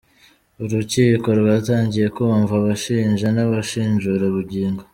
Urukiko rwatangiye kumva abashinja n’abashinjura Bugingo